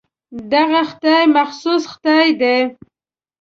دغه خدای مخصوص خدای دی.